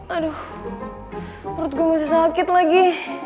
aduh perut gua masih sakit lagi